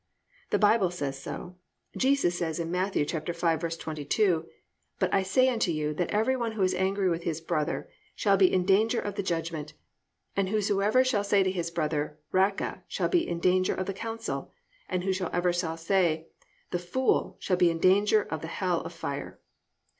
The Bible says so, Jesus says in Matt. 5:22, +"but I say unto you, that every one who is angry with his brother, shall be in danger of the judgment; and whosoever shall say to his brother, Raca, shall be in danger of the council; and whosoever shall say, Thou fool, shall be in danger of the hell of fire."